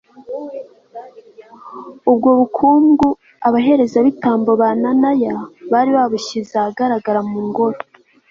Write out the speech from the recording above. ubwo bukungu abaherezabitambo ba nanaya bari babushyize ahagaragara mu ngoro